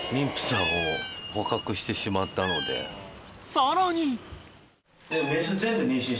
［さらに］